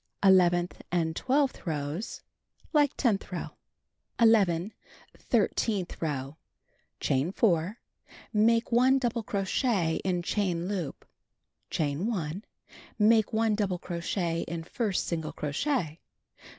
Eleventh and twelfth rows: Like tenth row. IL Thirteenth row : Chain 4. Make 1 double crochet in chain loop. Chain 1. Make 1 double crochet in first single crochet.